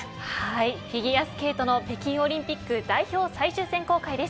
フィギュアスケートの北京オリンピック代表最終選考会です。